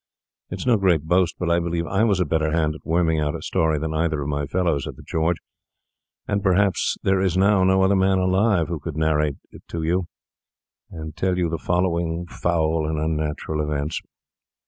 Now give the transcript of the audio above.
It is no great boast, but I believe I was a better hand at worming out a story than either of my fellows at the George; and perhaps there is now no other man alive who could narrate to you the following foul and unnatural events.